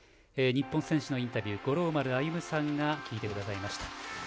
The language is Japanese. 日本選手のインタビュー五郎丸歩さんが聞いてくださいました。